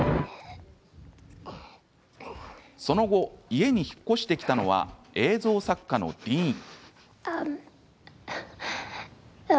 その後、家に引っ越してきたのは映像作家のディーン。